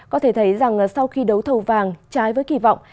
có thể thấy rằng sau khi đấu thầu vàng trái với kỳ vọng